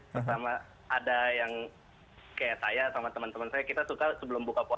pertama ada yang kayak saya sama teman teman saya kita suka sebelum buka puasa